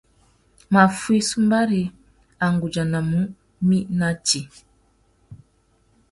Maffuï sumbari, a nʼgudjanamú mi nà tsi.